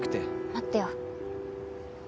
待ってよ。